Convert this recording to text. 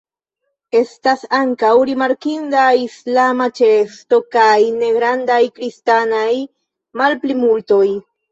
Estas ankaŭ rimarkinda islama ĉeesto kaj malgrandaj kristanaj malplimultoj.